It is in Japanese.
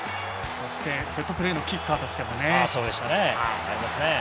そして、セットプレーのキッカーとしてもね。